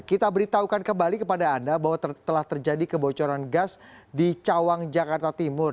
kita beritahukan kembali kepada anda bahwa telah terjadi kebocoran gas di cawang jakarta timur